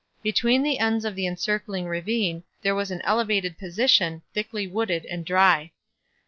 Between the ends of the encircling ravine there was an elevated position, thickly wooded and dry.